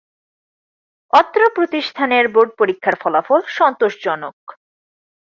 অত্র প্রতিষ্ঠানের বোর্ড পরীক্ষার ফলাফল সন্তোষজনক।